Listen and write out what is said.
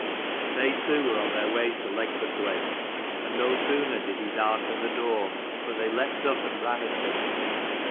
They too were on their way to Legburthwaite : and no sooner did he darken the door but they leapt up and ran at him.